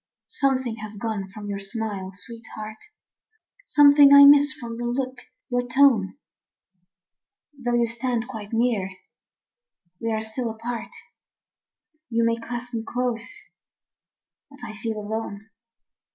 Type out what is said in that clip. Something has gone from your smile, sweetheart; Something I miss from your look, your tone. Though you stand quite near, we are still apart, You may clasp me close, but I feel alone.